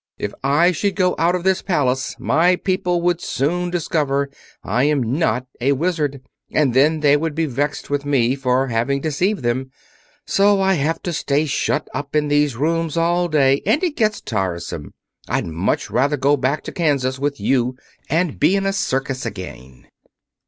If I should go out of this Palace my people would soon discover I am not a Wizard, and then they would be vexed with me for having deceived them. So I have to stay shut up in these rooms all day, and it gets tiresome. I'd much rather go back to Kansas with you and be in a circus again."